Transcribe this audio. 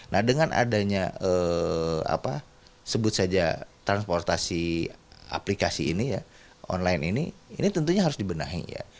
nah dengan adanya apa sebut saja transportasi aplikasi ini ya online ini ini tentunya harus dibenahi ya